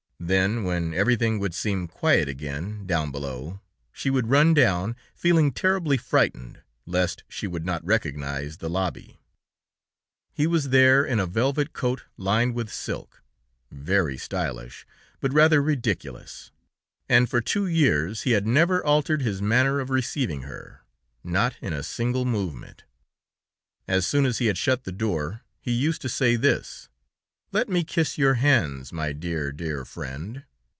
Then, when everything would seem quiet again down below, she would run down, feeling terribly frightened, lest she would not recognize the lobby. He was there in a velvet coat lined with silk, very stylish, but rather ridiculous, and for two years he had never altered his manner of receiving her, not in a single movement! As soon as he had shut the door, he used to say this: "Let me kiss your hands, my dear, dear friend!"